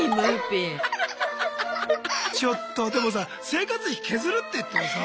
ちょっとでもさ生活費削るっていってもさギリギリよ？